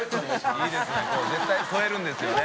いい任垢こう絶対添えるんですよね。